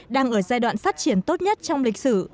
đang ở giai đoạn phát triển tốt nhất trong lịch sử